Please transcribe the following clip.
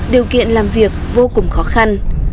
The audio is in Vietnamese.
điều kiện làm việc vô cùng khó khăn